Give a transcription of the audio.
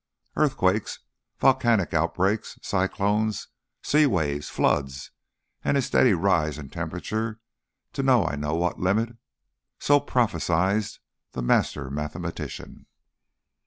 "Earthquakes, volcanic outbreaks, cyclones, sea waves, floods, and a steady rise in temperature to I know not what limit" so prophesied the master mathematician.